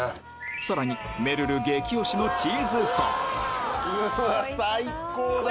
さらにめるる激推しのチーズソース最高だぜ！